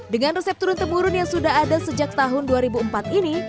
dengan resep turun temurun yang sudah ada sejak tahun dua ribu empat ini